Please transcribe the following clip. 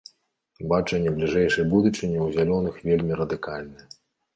Бачанне бліжэйшай будучыні ў зялёных вельмі радыкальнае.